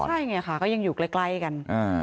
ใช่ไงค่ะก็ยังอยู่ใกล้กัน